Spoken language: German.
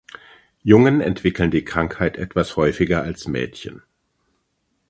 Jungen entwickeln die Krankheit etwas häufiger als Mädchen.